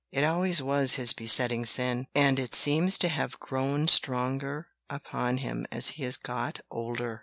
It always was his besetting sin, and it seems to have grown stronger upon him as he has got older."